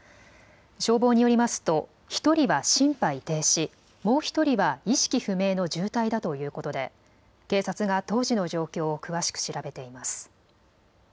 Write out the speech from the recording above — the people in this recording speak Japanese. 消防によりますと１人は心肺停止、もう１人は意識不明の重体だということで警察が当時の状況を詳しく調べています。